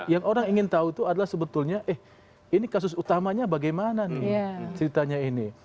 yang orang ingin tahu itu adalah sebetulnya eh ini kasus utamanya bagaimana nih ceritanya ini